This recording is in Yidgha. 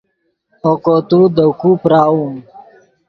اوکو تو دے کو پراؤم